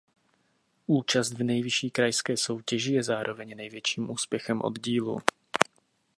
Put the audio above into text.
Účast v nejvyšší krajské soutěži je zároveň největším úspěchem oddílu.